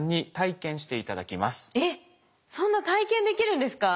えっそんな体験できるんですか？